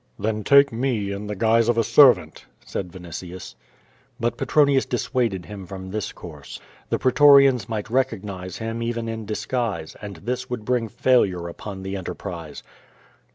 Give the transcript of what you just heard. "Then take me in the guise of a servant," said Vinitius. But Petronius dissuaded him from this course. The prc torians might recognize him even in disguise, and this would bring failure upon the enterprise.